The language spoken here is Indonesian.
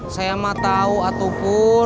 saya mah tau atuh pur